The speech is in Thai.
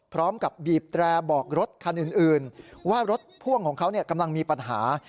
พร้อมกับบีบแตรบอกรถคันอื่นว่ารถพ่วงของเขากำลังมีปัญหา